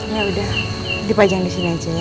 ya udah dipajang di sini aja